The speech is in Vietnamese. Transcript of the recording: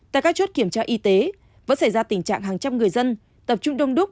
tại các chốt kiểm tra y tế vẫn xảy ra tình trạng hàng trăm người dân tập trung đông đúc